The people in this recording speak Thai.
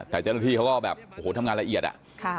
แต่เจ้าหน้าที่เขาก็แบบโอ้โหทำงานละเอียดอะ